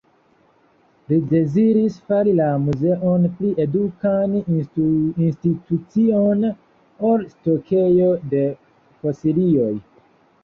Li deziris fari la Muzeon pli edukan institucion, ol stokejo de fosilioj.